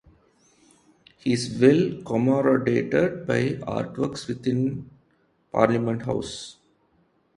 He is well commemorated by artworks within Parliament House.